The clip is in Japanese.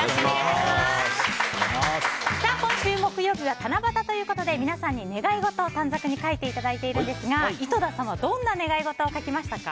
今週木曜日は七夕ということで皆さんに願い事を短冊に書いていただいているんですが井戸田さんはどんな願い事を書きましたか？